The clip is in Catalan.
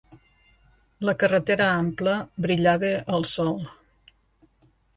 La carretera ampla brillava al sol.